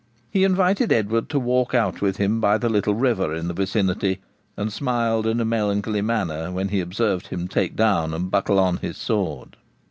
He invited Edward to walk out with him by the little river in the vicinity; and smiled in a melancholy manner when he observed him take down and buckle on his sword.